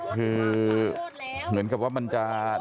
คือเหมือนกับว่ามันจะ